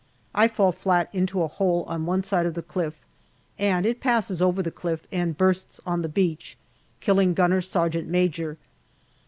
I fall flat into a hole on one side of the cliff, and it passes over the cliff and bursts on the beach, killing gunner sergeant major.